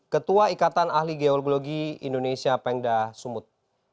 ketua ikatan ahli geologi indonesia pengda sumut